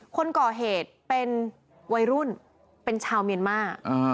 คนก่อเหตุเป็นวัยรุ่นเป็นชาวเมียนมา